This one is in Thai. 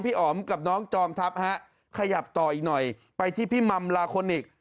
อ๋อมกับน้องจอมทัพฮะขยับต่ออีกหน่อยไปที่พี่มัมลาโคนิค